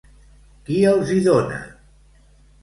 Qui els hi dona?